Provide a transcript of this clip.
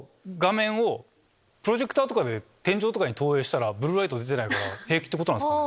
プロジェクターとかで天井に投影したらブルーライト出てないから平気ってことなんですか？